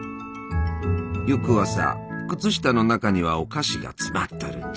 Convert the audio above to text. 翌朝靴下の中にはお菓子が詰まっとるんじゃ。